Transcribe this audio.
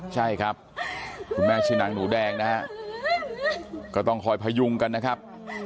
ใช่ครับคุณแม่ชื่อนางหนูแดงนะฮะก็ต้องคอยพยุงกันนะครับ